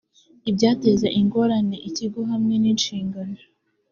ibyateza ingorane ikigo hamwe n ‘inshingano